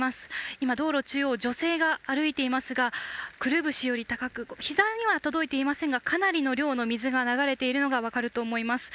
今、道路中央、女性が歩いていますが、くるぶしより高く膝には届いていませんが、かなりの水の量が流れているのが分かると思います。